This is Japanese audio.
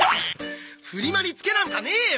フリマにツケなんかねえよ！